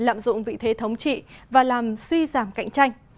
lạm dụng vị thế thống trị và làm suy giảm cạnh tranh